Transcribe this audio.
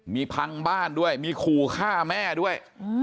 มีพังบ้านด้วยมีขู่ฆ่าแม่ด้วย